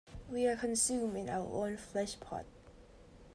We are consumed in our own flesh-pots.